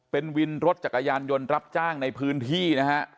เป็นวินรถจักรยานยนต์รับจ้างในพื้นที่นะฮะ